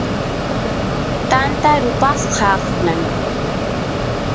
tanta rupasqa aqnan